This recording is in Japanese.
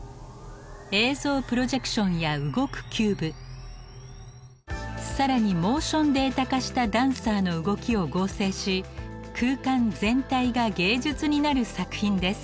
映像プロジェクションや動くキューブさらにモーションデータ化したダンサーの動きを合成し空間全体が芸術になる作品です。